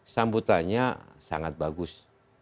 sambutannya sangat bagus